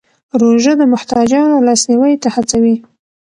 روژه د محتاجانو لاسنیوی ته هڅوي.